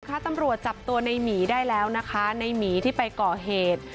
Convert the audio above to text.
ตำรวจจับตัวในหมีได้แล้วนะคะในหมีที่ไปก่อเหตุ